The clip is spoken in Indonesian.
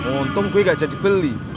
untung kue gak jadi beli